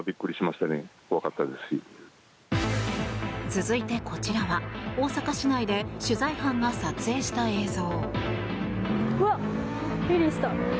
続いてこちらは、大阪市内で取材班が撮影した映像。